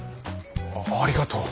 あありがとう。